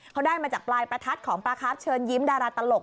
เขาได้มาจากปลายประทัดของปลาครับเชิญยิ้มดาราตลก